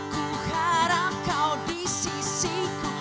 ku harap kau disisiku